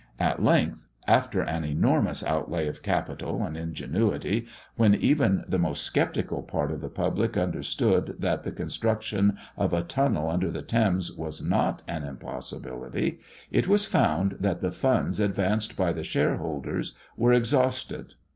At length, after an enormous outlay of capital and ingenuity, when even the most sceptical part of the public understood that the construction of a tunnel under the Thames was not an impossibility; it was found that the funds advanced by the shareholders were exhausted.